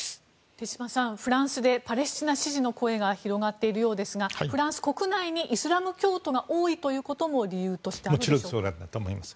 手嶋さん、フランスでパレスチナ支持の声が広がっているようですがフランス国内にイスラム教徒が多いことも理由としてそうだと思います。